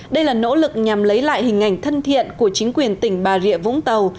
đây là nỗ lực nhằm lấy lại hình ảnh thân thiện của chính quyền tỉnh bà rịa vũng tàu